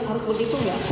harus begitu enggak